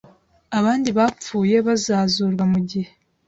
Abandi bapfuye bazazurwa mu gihe